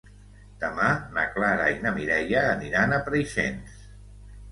Demà na Clara i na Mireia aniran a Preixens.